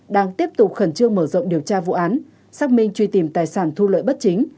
đang tiếp tục khẩn trương mở rộng điều tra vụ án xác minh truy tìm tài sản thu lợi bất chính